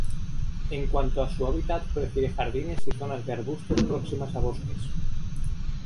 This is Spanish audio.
En cuanto a su hábitat prefiere jardines y zonas de arbustos próximas a bosques.